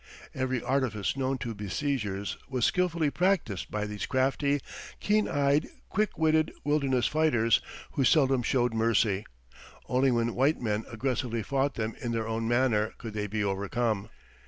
Every artifice known to besiegers was skilfully practised by these crafty, keen eyed, quick witted wilderness fighters, who seldom showed mercy. Only when white men aggressively fought them in their own manner could they be overcome.